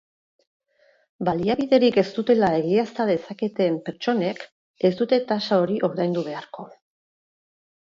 Baliabiderik ez dutela egiazta dezaketen pertsonek ez dute tasa hori ordaindu beharko.